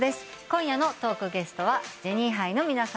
今夜のトークゲストはジェニーハイの皆さんです。